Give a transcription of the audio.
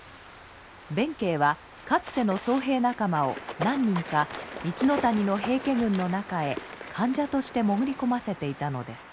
弁慶はかつての僧兵仲間を何人か一ノ谷の平家軍の中へ間者として潜り込ませていたのです。